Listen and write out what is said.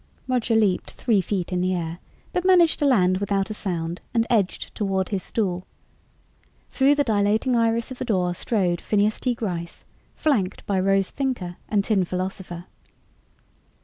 Roger leaped three feet in the air, but managed to land without a sound and edged toward his stool. Through the dilating iris of the door strode Phineas T. Gryce, flanked by Rose Thinker and Tin Philosopher.